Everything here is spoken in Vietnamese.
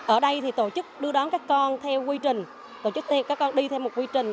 ở đây thì tổ chức đưa đón các con theo quy trình tổ chức các con đi theo một quy trình